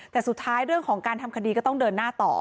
แต่สุดท้ายเรื่องของการทำคดีก็ต้องเดินหน้าต่อ